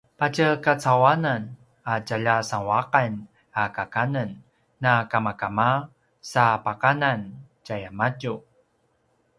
patjekacauanen a tjalja sanguaqan a kakanen na kamakama sa pakanan tjayamadju